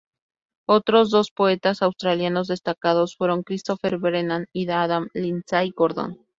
Otros dos poetas australianos destacados fueron Christopher Brennan y Adam Lindsay Gordon.